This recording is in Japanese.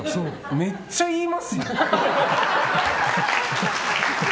めっちゃ言いますね。